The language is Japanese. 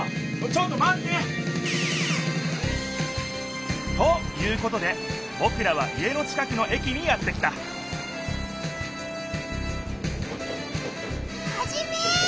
ちょっとまって！ということでぼくらは家の近くの駅にやって来たハジメ！